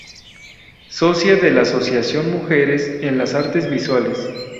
Socia de la Asociación Mujeres en las Artes Visuales.